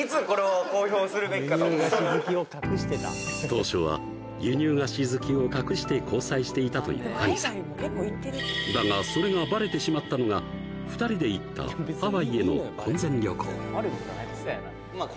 当初は輸入菓子好きを隠して交際していたというアニさんだがそれがバレてしまったのが２人で行ったハワイへの婚前旅行